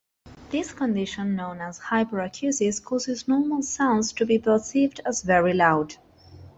This condition, known as hyperacusis, causes normal sounds to be perceived as very loud.